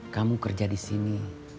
kamu kerja di sini